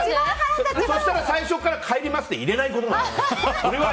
そうしたら、最初から帰りますって入れないことに。